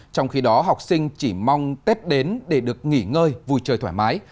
trong khi đó học sinh chỉ mong tết đến để được nghỉ ngơi vui chơi thoải mái